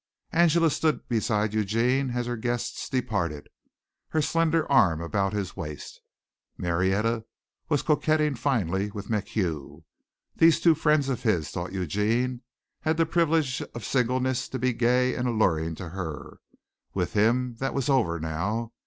Angela stood beside Eugene as her guests departed, her slender arm about his waist. Marietta was coquetting finally with MacHugh. These two friends of his, thought Eugene, had the privilege of singleness to be gay and alluring to her. With him that was over now.